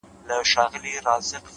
ژور فکر غوره پرېکړې زېږوي!